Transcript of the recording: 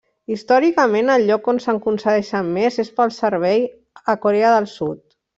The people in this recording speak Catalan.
Històricament, el lloc on se'n concedeixen més és pel servei a Corea del Sud.